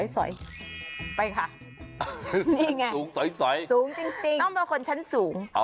ไปค่ะนี่ไงสูงใสสูงจริงต้องเป็นคนชั้นสูง